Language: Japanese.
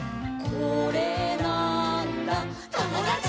「これなーんだ『ともだち！』」